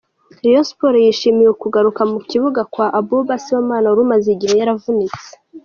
Rayon Sports yishimiye ukugaruka mu kibuga kwa Abouba Sibomana wari umaze igihe yaravunitse.